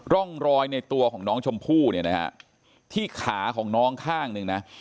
ร่องรอยในตัวของน้องชมพู่เนี่ยนะฮะที่ขาของน้องข้างหนึ่งนะ